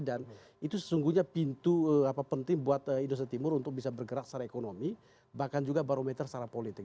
dan itu sesungguhnya pintu penting buat indonesia timur untuk bisa bergerak secara ekonomi bahkan juga barometer secara politik